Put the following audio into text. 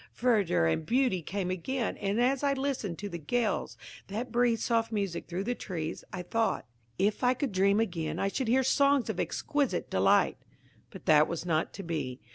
Verdure and beauty came again; and, as I listened to the gales that breathed soft music through the trees, I thought, "If I could dream again, I should hear songs of exquisite delight." But that was not to be.